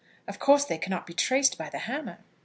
Of course they cannot be traced by the hammer.